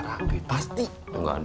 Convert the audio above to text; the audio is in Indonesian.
masa sudah ini pertarungan utama ini